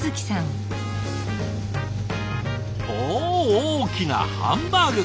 大きなハンバーグ。